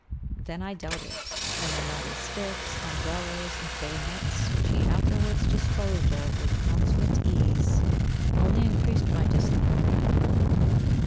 Then I doubted; and the knotty sticks, umbrellas, and bayonets, which he afterwards disposed of with consummate ease, only increased my dislike for him.